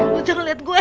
lo jangan liat gue